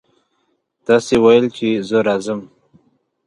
تاسې ویل چې زه راځم.